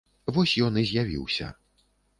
Вось ён і з'явіўся.